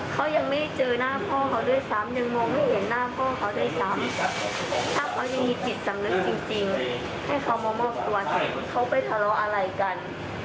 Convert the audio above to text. เขาไปทะเลาอะไรกัน